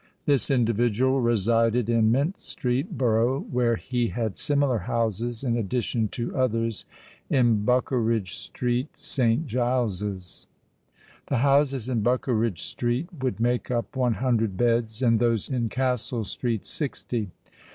This individual resided in Mint Street, Borough, where he had similar houses, in addition to others in Buckeridge Street, St. Giles's. The houses in Buckeridge Street would make up one hundred beds; and those in Castle Street sixty.